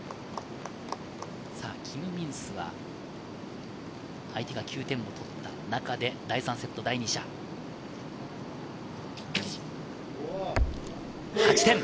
キム・ミンスは相手が９点を取った中で第３セット第２射、８点。